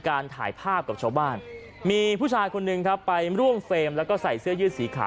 การถ่ายภาพกับชาวบ้านมีผู้ชายคนหนึ่งครับไปร่วมเฟรมแล้วก็ใส่เสื้อยืดสีขาว